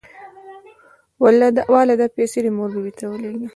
واله دا پيسې دې مور بي بي له ولېږه.